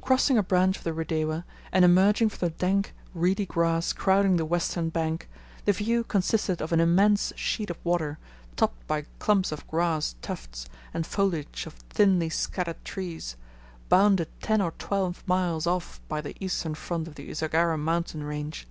Crossing a branch of the Rudewa, and emerging from the dank reedy grass crowding the western bank, the view consisted of an immense sheet of water topped by clumps of grass tufts and foliage of thinly scattered trees, bounded ten or twelve miles off by the eastern front of the Usagara mountain range.